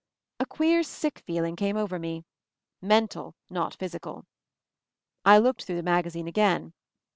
A queer sick feeling came over me — mental, not physical. I looked through the magazine again.